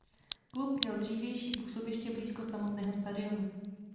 Klub měl dřívější působiště blízko samotného stadionu.